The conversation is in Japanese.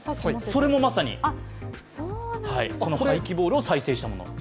それも、まさにこの廃棄ボールを再生したもの。